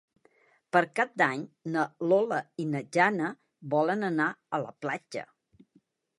Per Cap d'Any na Lola i na Jana volen anar a la platja.